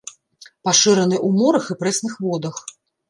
Пашыраны ў морах і прэсных водах.